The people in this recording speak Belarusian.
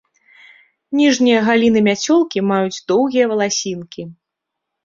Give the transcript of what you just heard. Ніжнія галіны мяцёлкі маюць доўгія валасінкі.